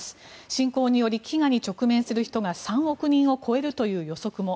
侵攻により飢餓に直面する人が３億人を超えるという予測も。